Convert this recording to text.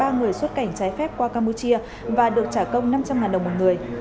ba người xuất cảnh trái phép qua campuchia và được trả công năm trăm linh đồng một người